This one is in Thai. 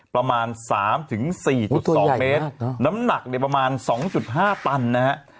ประมาณ๓๔๒เมตรน้ำหนักเนี่ยประมาณ๒๕ตันนะฮะ